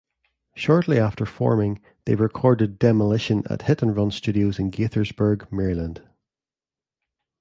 Shortly after forming, they recorded "Demolition" at Hit and Run Studios in Gaithersburg, Maryland.